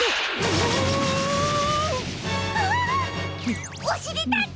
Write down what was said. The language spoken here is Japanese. おしりたんていさん！？